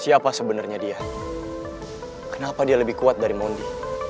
siapa sebenarnya dia kenapa dia lebih kuat dari mondi